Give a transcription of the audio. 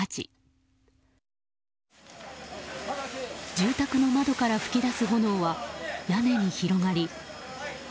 住宅の窓から噴き出す炎は屋根に広がり。